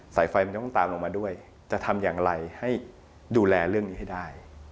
สายไฟมันจะต้องตามลงมาด้วยจะทำอย่างไรให้ดูแลเรื่องนี้ให้ได้